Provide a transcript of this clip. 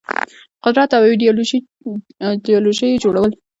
قدرت او ایدیالوژيو جوړول